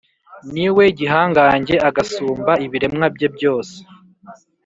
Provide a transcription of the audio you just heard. ni we gihangange, agasumba ibiremwa bye byose;